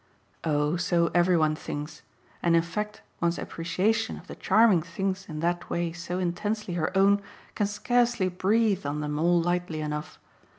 "Oh so every one thinks, and in fact one's appreciation of the charming things in that way so intensely her own can scarcely breathe on them all lightly enough.